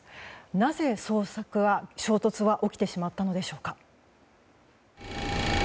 なぜ、衝突は起きてしまったのでしょうか。